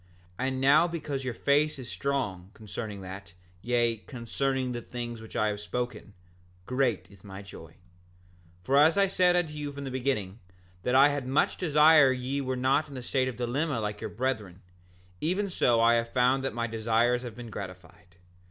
And now because your faith is strong concerning that, yea, concerning the things which I have spoken, great is my joy. 7:18 For as I said unto you from the beginning, that I had much desire that ye were not in the state of dilemma like your brethren, even so I have found that my desires have been gratified.